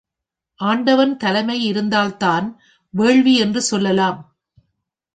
ஆண்டவன் தலைமை இருந்தால்தான் வேள்வி என்று சொல்லலாம்.